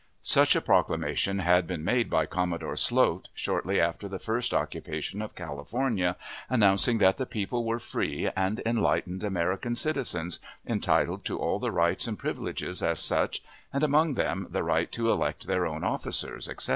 Such a proclamation had been made by Commodore Sloat shortly after the first occupation of California, announcing that the people were free and enlightened American citizens, entitled to all the rights and privileges as such, and among them the right to elect their own officers, etc.